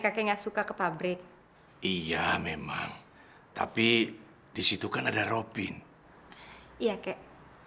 aku nggak suka ke pabrik iya memang tapi disitu kan ada robin iya kakek